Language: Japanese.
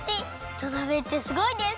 土鍋ってすごいです！